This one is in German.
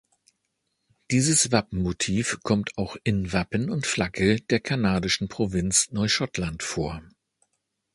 Dieses Wappenmotiv kommt auch in Wappen und Flagge der kanadischen Provinz Neuschottland vor.